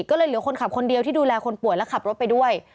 ก็เลยเหลือคนขับคนเดียวที่ดูแลคนป่วยและขับรถไปด้วย